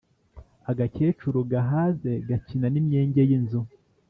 Agakecuru gahaze gakina n’imyenge y’inzu.